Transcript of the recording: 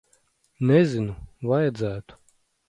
Nezinu. Vajadzētu.